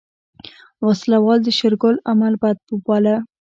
وسله وال د شېرګل عمل بد وباله.